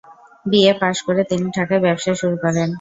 BA পাশ করে তিনি ঢাকায় ব্যবসা শুরু করেন।